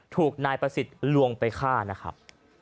ถูกนายประสิทธิ์ลวงไปฆ่านะครับ